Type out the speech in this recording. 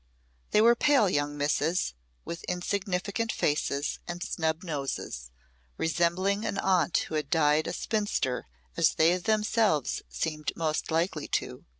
They were pale young misses, with insignificant faces and snub noses, resembling an aunt who died a spinster, as they themselves seemed most likely to.